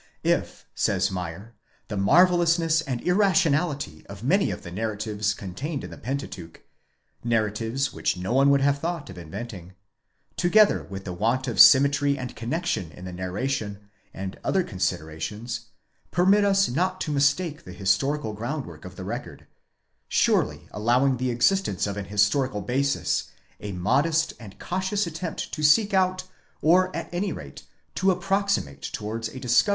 If, says Meyer?, the marvellous ness and irrationality of many of the narratives contained in the Pentateuch, (narratives which no one would have thought of inventing,) together with the want of symmetry and connexion in the narration, and other considerations, permit us not to mistake the historical groundwork of the record; surely, allowing the existence of an historical basis, a modest and cautious attempt to seek out or at any rate to approximate towards a discovery of that historical 1 Granzbestimmung dessen, was in der Bibel Mythus, τ.